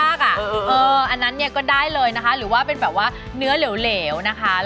อันนั้นเนี่ยก็ได้เลยนะคะหรือว่าเป็นแบบว่าเนื้อเหลวนะคะ